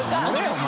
お前。